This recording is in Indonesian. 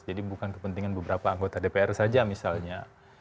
jadi bukan kepentingan beberapa anggota dpr saja misalnya